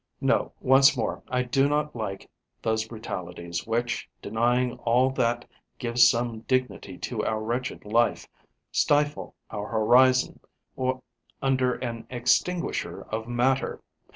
No, once more, I do not like those brutalities which, denying all that gives some dignity to our wretched life, stifle our horizon under an extinguisher of matter.